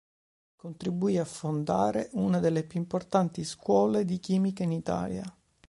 Contribuì a fondare una delle più importanti scuole di chimica in Italia.